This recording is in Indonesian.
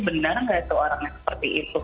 benar enggak tuh orangnya seperti itu